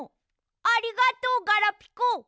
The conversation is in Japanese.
ありがとうガラピコ。